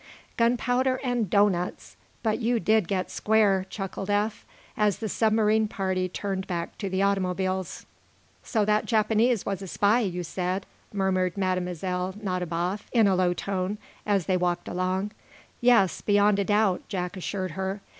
"Gunpowder and doughnuts! But you did get square," chuckled Eph, as the submarine party turned back to the automobiles. "So that Japanese was a spy, you said?" murmured Mlle. Nadiboff, in a low tone, as they walked along. "Yes, beyond a doubt," Jack assured her.